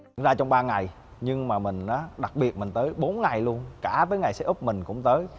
tạo ra trong ba ngày nhưng mà mình đặc biệt mình tới bốn ngày luôn cả với ngày xe úp mình cũng tới